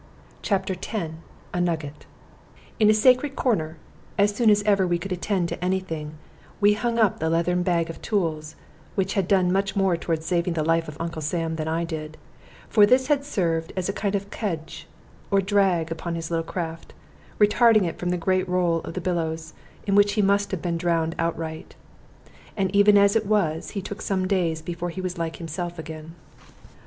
CHAPTER X A NUGGET In a sacred corner (as soon as ever we could attend to any thing) we hung up the leathern bag of tools, which had done much more toward saving the life of Uncle Sam than I did; for this had served as a kind of kedge, or drag, upon his little craft, retarding it from the great roll of billows, in which he must have been drowned outright. And even as it was, he took some days before he was like himself again.